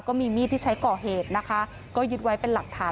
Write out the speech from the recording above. ก็มีมีดที่ใช้ก่อเหตุก็ยึดไว้เป็นหลักฐาน